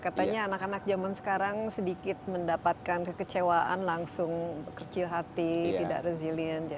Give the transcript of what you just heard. katanya anak anak zaman sekarang sedikit mendapatkan kekecewaan langsung kecil hati tidak resilient